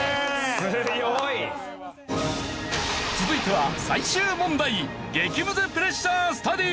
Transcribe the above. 続いては最終問題。